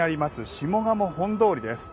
下鴨本通です。